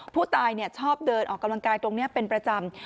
ผู้ตายชอบเดินออกกำลังกายตรงนี้เป็นประจำ